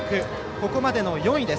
ここまでの４位。